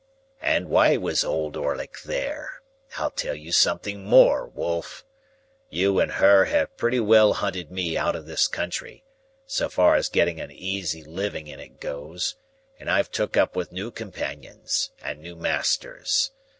"And why was Old Orlick there? I'll tell you something more, wolf. You and her have pretty well hunted me out of this country, so far as getting a easy living in it goes, and I've took up with new companions, and new masters.